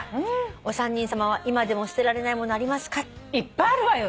「お三人さまは今でも捨てられないものありますか？」いっぱいあるわよ！